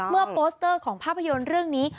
โปสเตอร์ของภาพยนตร์เรื่องนี้